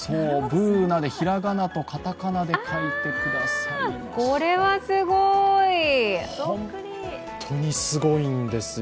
「ぶーな」とひらがなとカタカナでかいてくださいました。